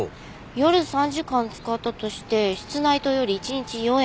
夜３時間使ったとして室内灯より１日４円。